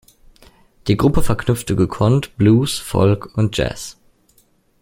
Die Gruppe verknüpfte gekonnt Blues, Folk und Jazz.